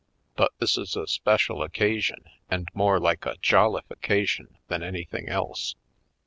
But this is a spec ial occasion and more like a jollification than anything else.